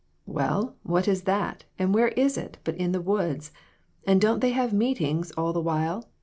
"Well, what is that, and where is it, but in the woods ; and don't they have meetings all the while